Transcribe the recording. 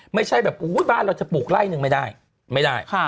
ไม่ใช่แบบบ้านเราจะปลูกไล่นึงไม่ได้ไม่ได้